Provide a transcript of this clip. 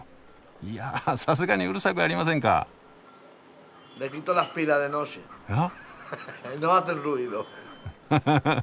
いやあさすがにうるさくありませんか？は？はははは。